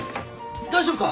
大丈夫か？